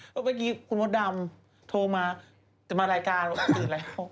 เมื่อกี้คุณมดดำโทรมาจะมารายการอื่นแล้ว